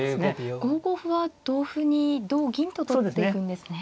５五歩は同歩に同銀と取っていくんですね。